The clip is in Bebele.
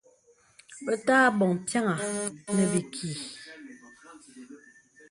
Bə̀ tə̀ abɔ̀ŋ pyàŋà nə̀ bìkì.